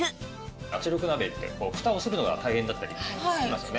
圧力鍋ってフタをするのが大変だったりしますよね。